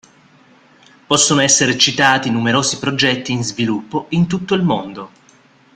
Possono essere citati numerosi progetti in sviluppo in tutto il mondo.